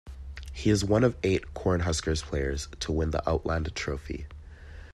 He is one of eight Cornhuskers players to win the Outland Trophy.